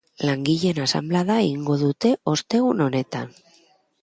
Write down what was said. Langileen asanblada egingo dute ostegun honetan.